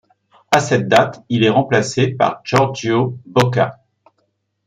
À cette date, il est remplacé par Giorgio Bocca.